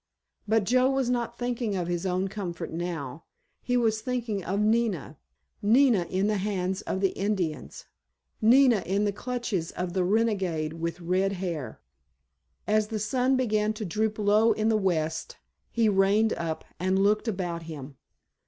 But Joe was not thinking of his own comfort now. He was thinking of Nina—Nina in the hands of the Indians! Nina in the clutches of the renegade with red hair! As the sun began to droop low in the west he reined up and looked about him.